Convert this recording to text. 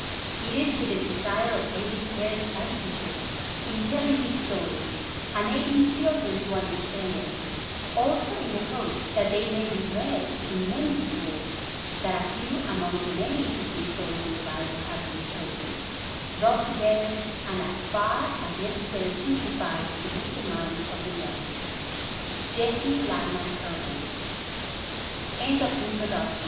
It is with the desire of aiding parents and teachers in telling these stories, and aiding children to understand them, also in the hope that they may be read in many schools, that a few among the many interesting stories in the Bible have been chosen, brought together and as far as necessary simplified to meet the minds of the young. [Signature: Jesse Lyman Hurlbut] THE S